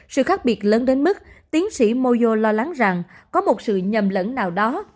sự khác biệt lớn đến mức tiến sĩ mozo lo lắng rằng có một sự nhầm lẫn nào đó